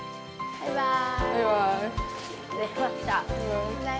バイバーイ。